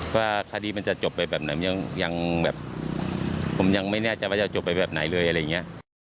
ว่าคดีมันจะจบไปแบบไหนยังแบบผมยังไม่แน่ใจว่าจะจบไปแบบไหนเลยอะไรอย่างนี้